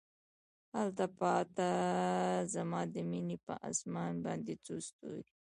هلته پاته زما د میینې په اسمان باندې څو ستوري